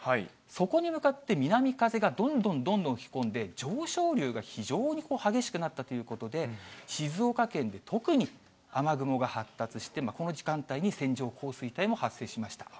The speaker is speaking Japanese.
そこに向かって南風がどんどんどんどん吹き込んで、上昇流が非常に激しくなったということで、静岡県で特に雨雲が発達して、この時間帯に線状降水帯も発生しました。